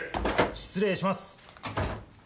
失礼します。